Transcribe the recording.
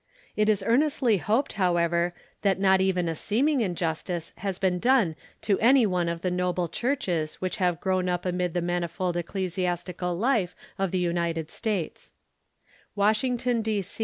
It is earn estly hoped, however, that not even a seeming injustice has been done to any one of the noble Churches which have grown up amid the manifold ecclesiastical life of the United States, Washington, D.